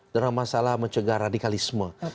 dalam masalah mencegah radikalisme